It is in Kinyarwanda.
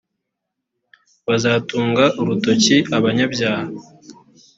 bazatunga urutoki abanyabyaha